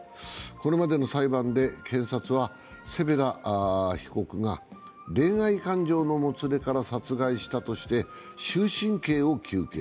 これまでの裁判で検察は、セペダ被告が恋愛感情のもつれから殺害したとして終身刑を求刑。